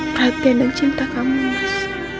perhatian dan cinta kamu mas